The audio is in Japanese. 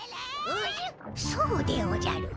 そうでおじゃる。